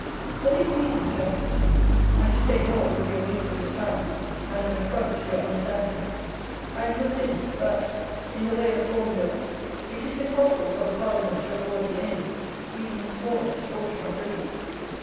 For these reasons, Gentlemen, (and to state more would be a waste of your time and an affront to your understandings,) I am convinced, that, in the way of Corn Bill, it is impossible for the Parliament to afford you any, even the smallest, portion of relief.